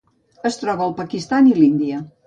Es troba al Pakistan i l'Índia.